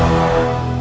ibu nda tunggu